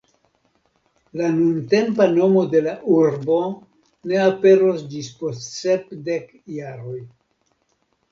La nuntempa nomo de la urbo ne aperos ĝis post sep dek jaroj.